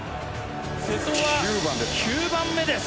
瀬戸は９番目です。